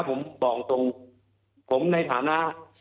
ผมบอกตรงผมในฐานะ